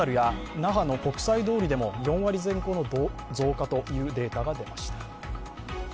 那覇の国際通りでも４前後の増加というデータが出ました。